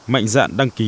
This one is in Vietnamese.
mạnh dạn đăng ký